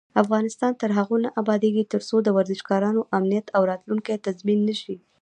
افغانستان تر هغو نه ابادیږي، ترڅو د ورزشکارانو امنیت او راتلونکی تضمین نشي.